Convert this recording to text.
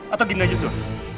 atau gini aja sur